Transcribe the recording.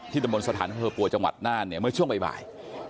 ตะบนสถานอำเภอปัวจังหวัดน่านเนี่ยเมื่อช่วงบ่าย